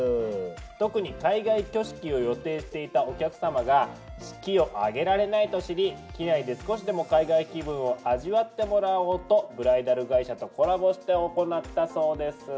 特に海外挙式を予定していたお客さまが式を挙げられないと知り機内で少しでも海外気分を味わってもらおうとブライダル会社とコラボして行ったそうです。